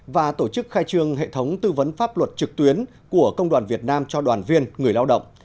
và tổ chức khai trương hệ thống tư vấn pháp luật trực tuyến của công đoàn việt nam cho đoàn viên người lao động